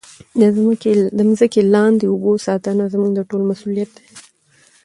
د مځکې لاندې اوبو ساتنه زموږ د ټولو مسؤلیت دی.